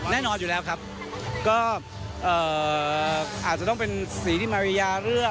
แน่นอนอยู่แล้วครับก็อาจจะต้องเป็นสีที่มาริยาเลือก